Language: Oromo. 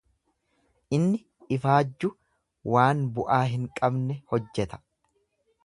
Inni ifaajju waan bu'aa hin qabne hojjeta.